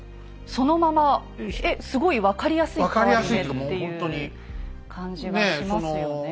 そのままえっすごい分かりやすい変わり目っていう感じがしますよね。